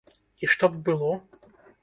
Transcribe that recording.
І што б было?